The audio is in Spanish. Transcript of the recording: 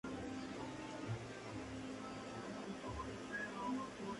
Rickey describió a McConaughey como "eternamente sin camisa" y Hudson como "peculiar sin alegría".